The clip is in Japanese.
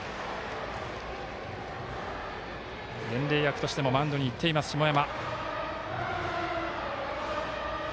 伝令役としてもマウンドに行っています下山。